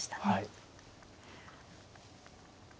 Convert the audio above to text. はい。